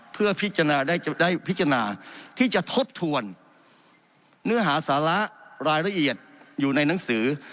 เพื่อพิจารณาได้พิจารณาที่จะทบทวนเนื้อหาสาระรายละเอียดอยู่ในหนังสือ